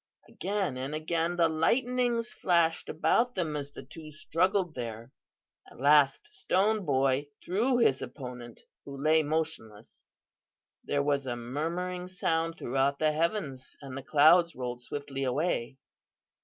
Again and again the lightnings flashed about them as the two struggled there. At last Stone Boy threw his opponent, who lay motionless. There was a murmuring sound throughout the heavens and the clouds rolled swiftly away.